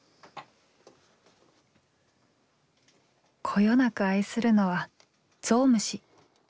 こよなく愛するのはゾウムシ。